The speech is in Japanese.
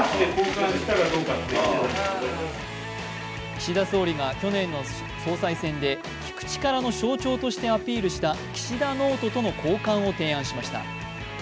岸田総理が去年の総裁選で聞く力の象徴としてアピールした岸田ノートとの交換を提案しました。